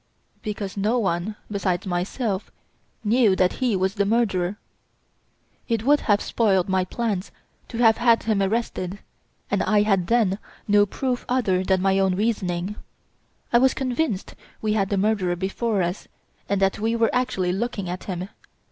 "Because no one, besides myself, knew that he was the murderer. It would have spoiled my plans to have had him arrested, and I had then no proof other than my own reasoning. I was convinced we had the murderer before us and that we were actually looking at him.